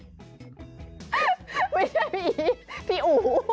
ไม่ใช่พี่อีสพี่อู